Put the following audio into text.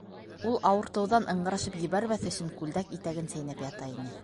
Ул, ауыртыуҙан ыңғырашып ебәрмәҫ өсөн, күлдәк итәген сәйнәп ята ине.